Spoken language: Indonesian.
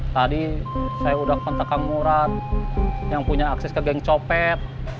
tadi saya udah kontak kang murad yang punya akses ke geng copet